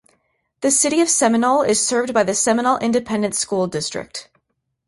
The City of Seminole is served by the Seminole Independent School District.